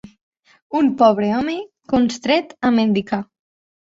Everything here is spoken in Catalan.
Un pobre home constret a mendicar.